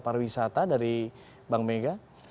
pariwisata dari bank mega